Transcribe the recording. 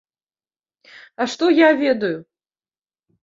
А што я ведаю?